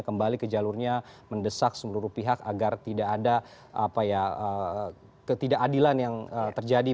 kembali ke jalurnya mendesak seluruh pihak agar tidak ada ketidakadilan yang terjadi